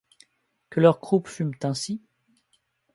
Que leurs croupes fument ainsi ?